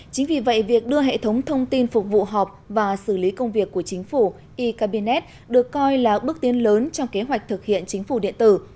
chính vì vậy việc đưa hệ thống thông tin phục vụ họp và xử lý công việc của chính phủ e cabinet được coi là bước tiến lớn trong kế hoạch thực hiện chính phủ điện tử